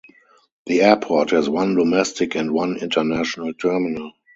The airport has one domestic and one international terminal.